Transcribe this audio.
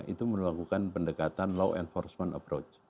itu melakukan pendekatan law enforcement approach